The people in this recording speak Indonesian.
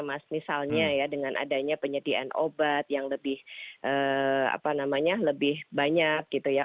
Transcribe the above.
misalnya ya dengan adanya penyediaan obat yang lebih banyak gitu ya